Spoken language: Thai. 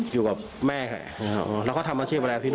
อยู่กับแม่ค่ะแล้วก็ทำอาชีพแล้วที่โน้นพอซัมฮะ